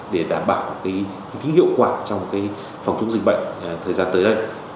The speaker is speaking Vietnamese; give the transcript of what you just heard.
để đảm bảo cái hữu quả trong cái phòng chống dịch bệnh thời gian tới đây